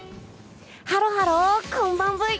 ハロハロこんばんブイ。